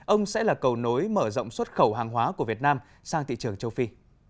ông sẽ là cầu nối mở rộng xuất khẩu hàng hóa của việt nam sang thị trường châu phi